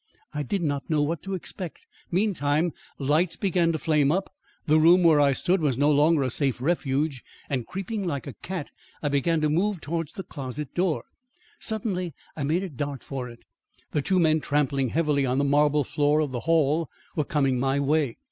I did not know what to expect; meantime, lights began to flame up; the room where I stood was no longer a safe refuge, and creeping like a cat, I began to move towards the closet door. Suddenly I made a dart for it; the two men, trampling heavily on the marble floor of the hall were coming my way.